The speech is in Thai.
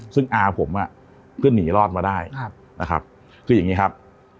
ซึ่งอาผมก็หนีรอดมาได้นะครับคืออย่างนี้ครับ